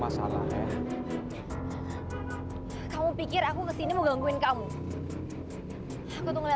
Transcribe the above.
sampai jumpa di video selanjutnya